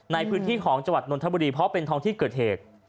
ในพื้นที่ของจังหวัดนนทบุรีเพราะเป็นท้องที่เกิดเหตุ